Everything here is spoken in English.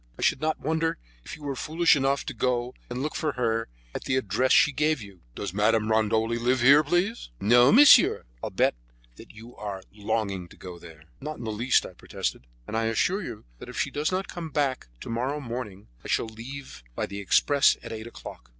I should not wonder if you were foolish enough to go and look for her at the address she gave you. 'Does Madame Rondoli live here, please?' 'No, monsieur.' I'll bet that you are longing to go there." "Not in the least," I protested, "and I assure you that if she does not come back to morrow morning I shall leave by the express at eight o'clock.